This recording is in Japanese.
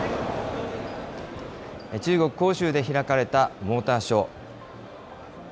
中国・広州で開かれたモーターショー。